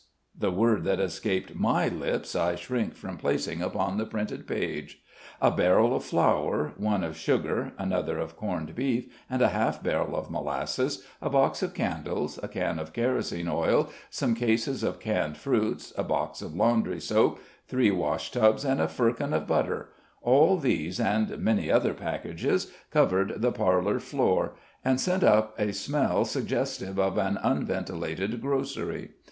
The word that escaped my lips, I shrink from placing upon the printed page. A barrel of flour, one of sugar, another of corned beef, and a half barrel of molasses, a box of candles, a can of kerosene oil, some cases of canned fruits, a box of laundry soap, three wash tubs, and a firkin of butter all these, and many other packages, covered the parlor floor, and sent up a smell suggestive of an unventilated grocery.